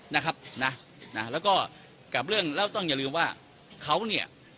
นะครับนะแล้วก็กับเรื่องแล้วต้องอย่าลืมว่าเขาเนี่ย